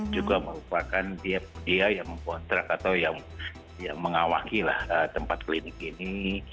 juga merupakan dia yang mengkontrak atau yang mengawaki tempat klinik ini